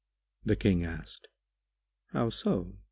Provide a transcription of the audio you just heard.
The King asked, "How so?